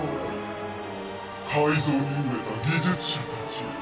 改造に飢えた技術者たちよ